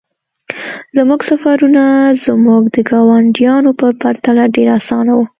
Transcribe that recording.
زموږ سفرونه زموږ د ګاونډیانو په پرتله ډیر اسانه وو